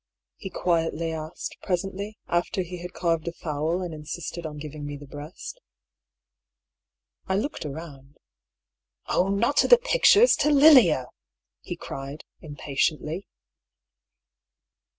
he quietly asked presently, after he had carved a fowl and insisted on giving me the breast. I looked around. " Oh, not to the pictures — to Lilia !" he cried, im patiently.